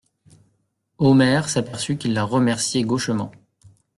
Omer s'aperçut qu'il la remerciait gauchement.